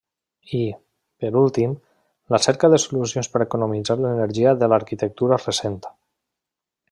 I, per últim, la cerca de solucions per economitzar l'energia de l'arquitectura recent.